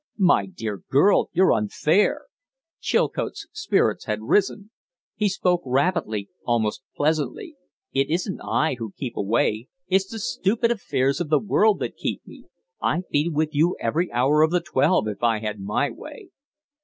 "My dear girl, you're unfair!" Chilcote's spirits had risen; he spoke rapidly, almost pleasantly. "It isn't I who keep away it's the stupid affairs of the world that keep me. I'd be with you every hour of the twelve if I had my way."